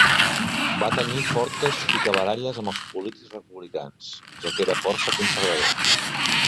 Va tenir fortes picabaralles amb els polítics republicans, ja que era força conservador.